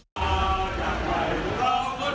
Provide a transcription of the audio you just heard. สวัสดีครับทุกคน